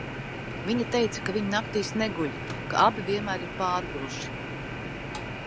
Viņa teica, ka viņi naktīs neguļ, ka abi vienmēr ir pārguruši.